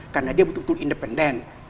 karena dia betul betul independen